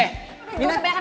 eh dina hantar tante